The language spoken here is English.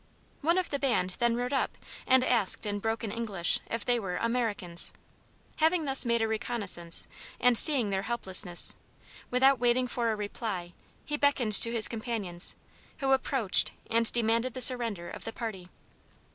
One of the band then rode up and asked in broken English if they were "Americans:" having thus made a reconnoisance and seeing their helplessness, without waiting for a reply, he beckoned to his companions who approached and demanded the surrender of the party.